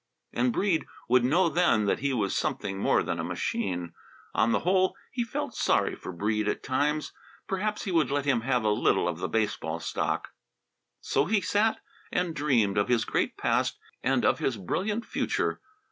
And Breede would know then that he was something more than a machine. On the whole, he felt sorry for Breede at times. Perhaps he would let him have a little of the baseball stock. So he sat and dreamed of his great past and of his brilliant future.